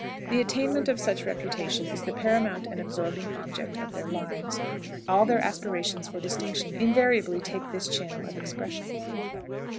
The attainment of such reputation is the paramount and absorbing object of their lives; all their aspirations for distinction invariably take this channel of expression.